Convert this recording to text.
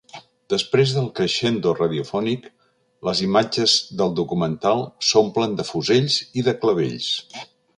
Després del crescendo radiofònic, les imatges del documental s'omplen de fusells i de clavells.